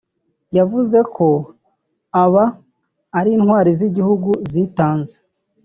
yavuze ko aba ari intwari z’igihugu zitanze